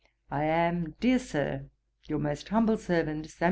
I am, dear Sir, 'Your most humble servant, 'SAM.